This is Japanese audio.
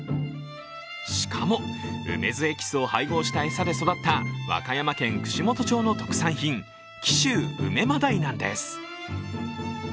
しかも梅酢エキスを配合した餌で育った和歌山県串本町の特産品、紀州梅まだいなんです。